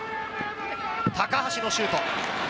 高橋のシュート。